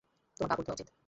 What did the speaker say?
তোমার কাপড় ধোঁয়া উচিত।